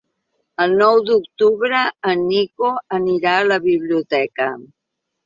El nou d'octubre en Nico anirà a la biblioteca.